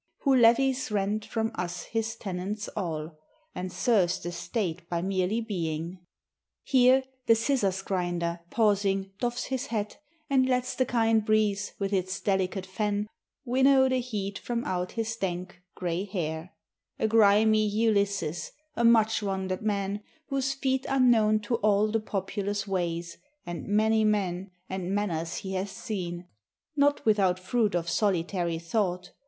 Who levies rent from us his tenants all, And serves the state by merely being. Here The Scissors grinder, pausing, doffs his hat, And lets the kind breeze, with its delicate fan, Winnow the heat from out his dank gray hair, A grimy Ulysses, a much wandered man, Whose feet are known to all the populous ways, And many men and manners he hath seen, Not without fruit of solitary thought.